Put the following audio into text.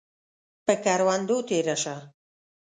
پۀ کروندو تیره شه